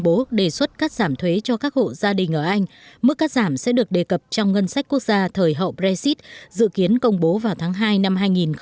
trong kế hoạch này thủ tướng johnson đã cắt giảm thuế cho các hộ gia đình ở anh mức cắt giảm sẽ được đề cập trong ngân sách quốc gia thời hậu brexit dự kiến công bố vào tháng hai năm hai nghìn hai mươi